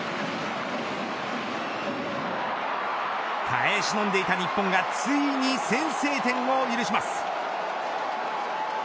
耐えしのいでいた日本がついに先制点を許します。